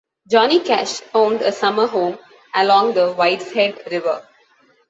Johnny Cash owned a summer home along the Whiteshead River.